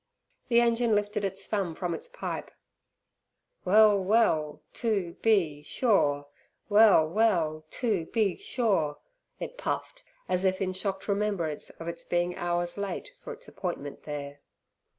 The engine lifted its thumb from its pipe "Well well to be sure; well well to be sure," it puffed, as if in shocked remembrance of its being hours late for its appointment there.